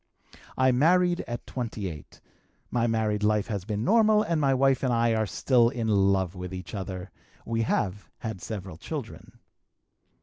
"I married at 28. My married life has been normal and my wife and I are still in love with one another; we have had several children.